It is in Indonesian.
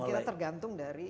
dan kita tergantung dari